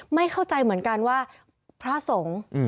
ไม่เข้าใจเหมือนกันว่าพระสงฆ์